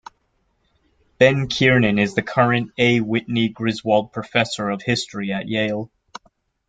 Ben Kiernan is the current A. Whitney Griswold Professor of History at Yale.